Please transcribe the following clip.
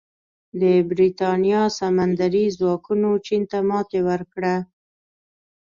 د برېټانیا سمندري ځواکونو چین ته ماتې ورکړه.